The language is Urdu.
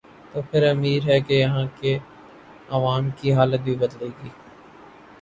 توپھر امید ہے کہ یہاں کے عوام کی حالت بھی بدلے گی۔